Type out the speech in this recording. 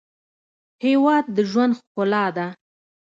هېواد د ژوند ښکلا ده.